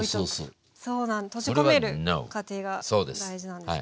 閉じ込める過程が大事なんですね。